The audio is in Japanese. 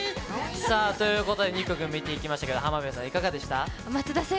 さあ、ということで、２曲見ていただきましたけど、浜辺さん、いかがでした？